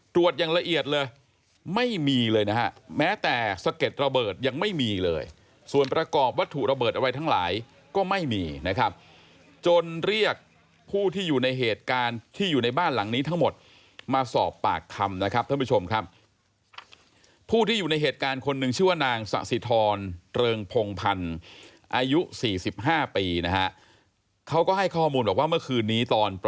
อย่างละเอียดเลยไม่มีเลยนะฮะแม้แต่สะเก็ดระเบิดยังไม่มีเลยส่วนประกอบวัตถุระเบิดอะไรทั้งหลายก็ไม่มีนะครับจนเรียกผู้ที่อยู่ในเหตุการณ์ที่อยู่ในบ้านหลังนี้ทั้งหมดมาสอบปากคำนะครับท่านผู้ชมครับผู้ที่อยู่ในเหตุการณ์คนหนึ่งชื่อว่านางสะสิทรเริงพงพันธ์อายุ๔๕ปีนะฮะเขาก็ให้ข้อมูลบอกว่าเมื่อคืนนี้ตอนป